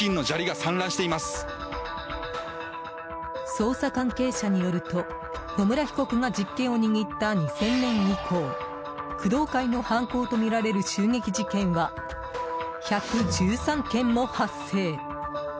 捜査関係者によると野村被告が実権を握った２０００年以降工藤会の犯行とみられる襲撃事件は１１３件も発生。